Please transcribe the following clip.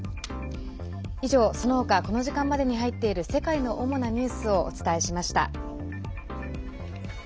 以上、そのほかこの時間までに入っている世界の主なニュースをお伝えしました。